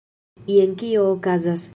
Jen kio okazas